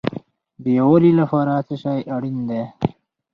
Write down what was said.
د یووالي لپاره څه شی اړین دی؟